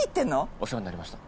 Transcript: お世話になりました。